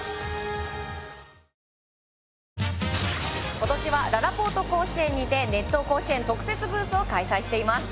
ことしは、ららぽーと甲子園にて、特設ブースを開催しています。